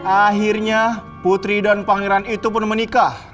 akhirnya putri dan pangeran itu pun menikah